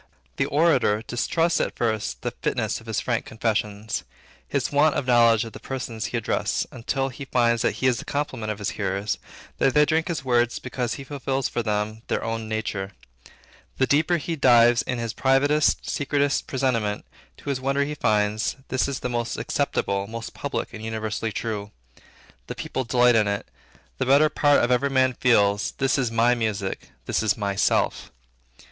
The orator distrusts at first the fitness of his frank confessions, his want of knowledge of the persons he addresses, until he finds that he is the complement of his hearers; that they drink his words because he fulfill for them their own nature; the deeper he dives into his privatest, secretest presentiment, to his wonder he finds, this is the most acceptable, most public, and universally true. The people delight in it; the better part of every man feels, This is my music; this is myself.